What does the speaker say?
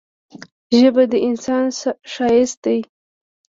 ژبه د انسان ښايست دی.